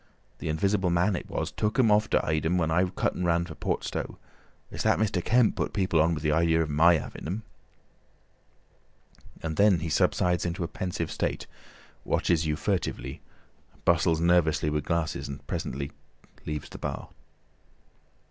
"The Invisible Man it was took 'em off to hide 'em when I cut and ran for Port Stowe. It's that Mr. Kemp put people on with the idea of my having 'em." And then he subsides into a pensive state, watches you furtively, bustles nervously with glasses, and presently leaves the bar.